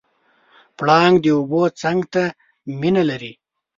پړانګ د اوبو څنګ ته مینه لري.